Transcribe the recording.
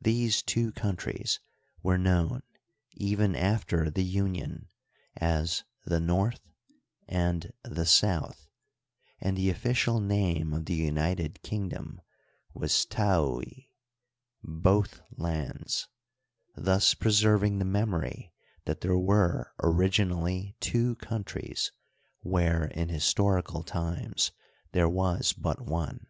These two countries were known even after the union as " the North " and " the South" and the offi cial name of the united kingdom was Taui — "Both lands "— thus preserving the memory that there were originally two countries where in historical times there was but one.